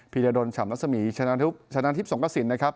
พีดโดลชำระสนิทชะนารทิพธ์สรงกษิลนะครับ